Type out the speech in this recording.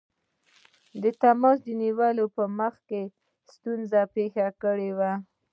د تماس نیولو په مخ کې ستونزه پېښه کړې وه.